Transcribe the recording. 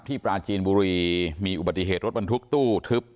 ปราจีนบุรีมีอุบัติเหตุรถบรรทุกตู้ทึบ